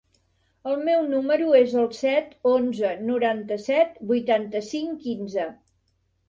El meu número es el set, onze, noranta-set, vuitanta-cinc, quinze.